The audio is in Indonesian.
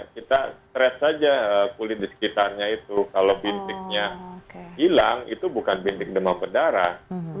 kita stres saja kulit di sekitarnya itu kalau bintiknya hilang itu bukan bintik demam berdarah